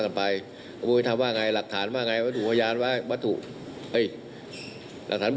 อ๋อใครที่ไปสั่ง